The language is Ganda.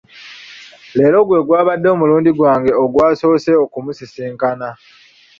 Leero gwe gwabadde omulundi gwange ogwasoose okumusisinkana.